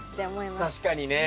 確かにね。